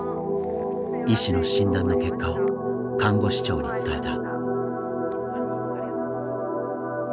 医師の診断の結果を看護師長に伝えた。